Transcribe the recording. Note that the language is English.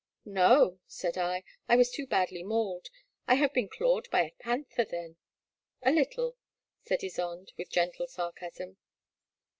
" '*No," said I, "I was too badly mauled. I have been clawed by a panther, then ?"A little," said Ysonde, with gentle sarcasm.